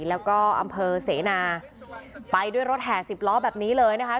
แล้วก็อำเภอเสนาไปด้วยรถแห่สิบล้อแบบนี้เลยนะคะ